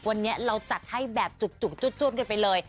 วันนี้เราจัดให้แบบจุกจ้วนกันไปเลย